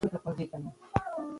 د مینې څرګندول د زړونو درملنه ده.